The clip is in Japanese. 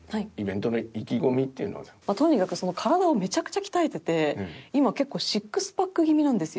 とにかく体をめちゃくちゃ鍛えてて今結構シックスパック気味なんですよ。